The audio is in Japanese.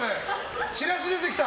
チラシ出てきた。